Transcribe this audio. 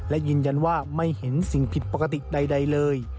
และยืนยันว่าไม่เห็นสิ่งผิดปกติใดเลย